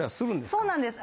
そうなんです。